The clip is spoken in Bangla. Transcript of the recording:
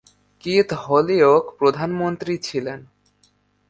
কিথ হোলিওক প্রধানমন্ত্রী ছিলেন।